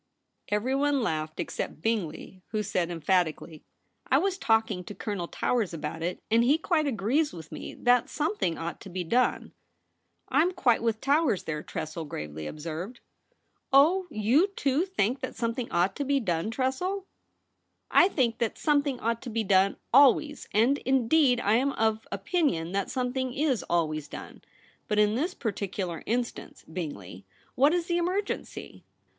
Everyone laughed except Bingley, who said emphatically :' I was talking to Colonel Towers about it, and he quite agrees with me that something ought to be done.' * I'm quite with Towers there,' Tressel gravely observed. * Oh, you, too, think that something ought to be done, Tressel ?'* I think that something ought to be done always ; and, indeed, I am of opinion that something is always done. But in this par ticular instance, Bingley, what is the emer gency